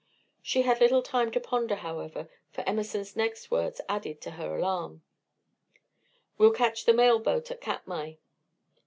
She had little time to ponder, however, for Emerson's next words added to her alarm: "We'll catch the mail boat at Katmai."